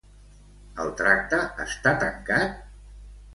El tracte està tancat?